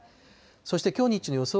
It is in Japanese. そしてきょう日中の予想